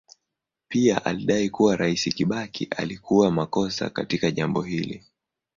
Pia alidai kuwa Rais Kibaki alikuwa makosa katika jambo hilo.